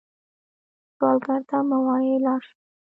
سوالګر ته مه وايئ “لاړ شه”